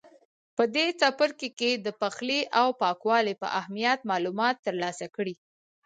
په دې څپرکي کې د پخلي او پاکوالي په اهمیت معلومات ترلاسه کړئ.